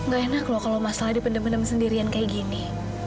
gak enak loh kalau masalah dipendam pendam sendirian kayak gini